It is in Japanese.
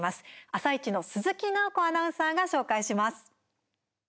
「あさイチ」の鈴木奈穂子アナウンサーが紹介します。